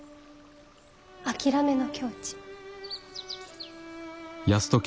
諦めの境地。